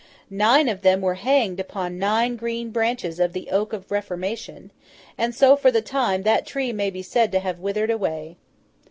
Nine of them were hanged upon nine green branches of the Oak of Reformation; and so, for the time, that tree may be said to have withered away.